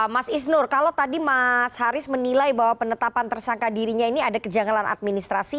mas isnur kalau tadi mas haris menilai bahwa penetapan tersangka dirinya ini ada kejanggalan administrasi